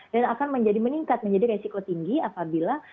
dan akan menjadi meningkat menjadi risiko tinggi apabila